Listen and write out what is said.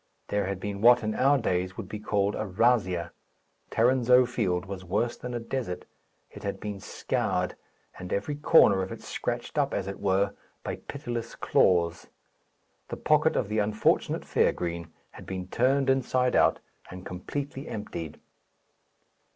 There had been what, in our days, would be called a razzia. Tarrinzeau Field was worse than a desert; it had been scoured, and every corner of it scratched up, as it were, by pitiless claws. The pocket of the unfortunate fair green had been turned inside out, and completely emptied.